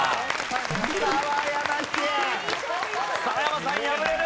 澤山さん敗れる。